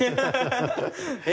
え